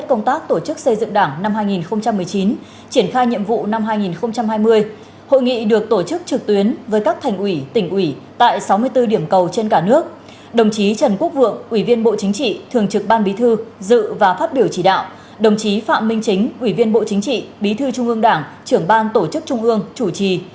đồng chí phạm minh chính ủy viên bộ chính trị bí thư trung ương đảng trưởng ban tổ chức trung ương chủ trì